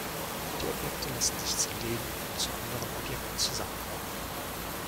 Die Objekte lassen sich zerlegen und zu anderen Objekten zusammenbauen.